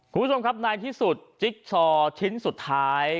คุณผู้ชมครับในที่สุดจิ๊กชอชิ้นสุดท้าย